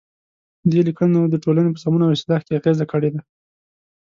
دې لیکنو د ټولنې په سمون او اصلاح کې اغیزه کړې ده.